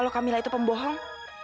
kalau kamila itu pembohong